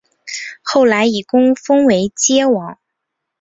后来以功封偕王。